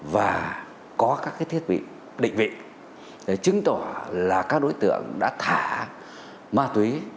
và có các thiết bị định vị để chứng tỏ là các đối tượng đã thả ma túy